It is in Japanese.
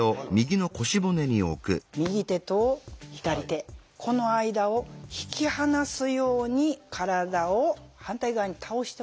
右手と左手この間を引き離すように体を反対側に倒してもらいます。